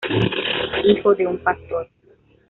Hijo de un pastor.